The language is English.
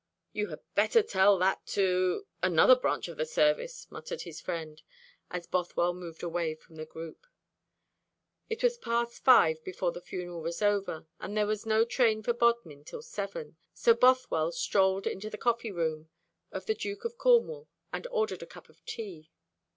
"You had better tell that to another branch of the service," muttered his friend, as Bothwell moved away from the group. It was past five before the funeral was over, and there was no train for Bodmin till seven; so Bothwell strolled into the coffee room of the Duke of Cornwall and ordered a cup of tea.